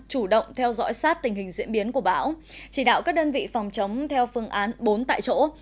chủ động theo dõi sát tình hình diễn biến của bão chỉ đạo các đơn vị phòng chống theo phương án bốn tại chỗ